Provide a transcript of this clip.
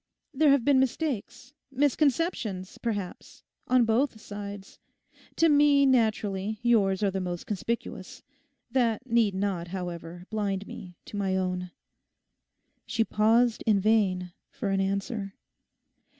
There have been mistakes, misconceptions, perhaps, on both sides. To me naturally yours are most conspicuous. That need not, however, blind me to my own.' She paused in vain for an answer.